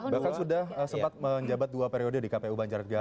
bahkan sudah sempat menjabat dua periode di kpu banjarga